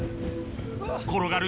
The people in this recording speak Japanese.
転がる